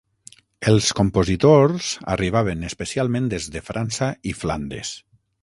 Els compositors arribaven especialment des de França i Flandes.